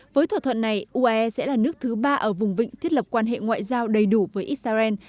với thỏa thuận này uae sẽ là nước thứ ba ở vùng vịnh thiết lập quan hệ ngoại giao đầy đủ với israel